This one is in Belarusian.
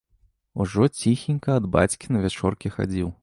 Ужо ціхенька ад бацькі на вячоркі хадзіў.